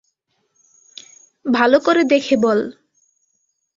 ভালো করে দেখে বল।